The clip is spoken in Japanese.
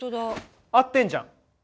合ってんじゃん！